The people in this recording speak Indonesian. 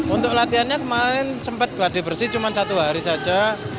untuk latihannya kemarin sempat geladi bersih cuma satu hari saja